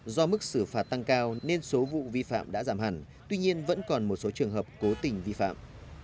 do mức xử phạt tăng cao nên số vụ vi phạm đã giảm hẳn tuy nhiên vẫn còn một số trường hợp cố tình vi phạm